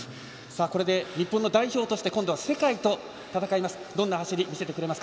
これで日本の代表として今度は世界と戦います。